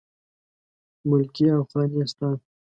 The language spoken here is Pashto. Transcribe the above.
ملکي او خاني ستا ده